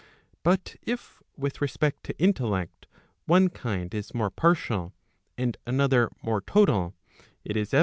But if with respect to intellect one kind is more partial, and another more total, it is evident Proc.